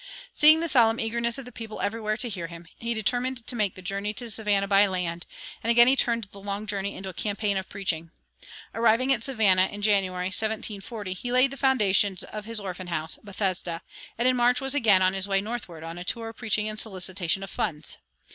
Seeing the solemn eagerness of the people everywhere to hear him, he determined to make the journey to Savannah by land, and again he turned the long journey into a campaign of preaching. Arriving at Savannah in January, 1740, he laid the foundation of his orphan house, "Bethesda," and in March was again on his way northward on a tour of preaching and solicitation of funds.